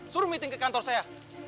suruh meeting ke kantor saya